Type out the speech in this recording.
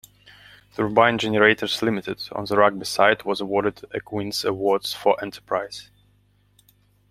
Turbine Generators Limited, on the Rugby site, was awarded a Queen's Awards for Enterprise.